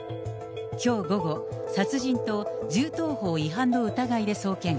きょう午後、殺人と銃刀法違反の疑いで送検。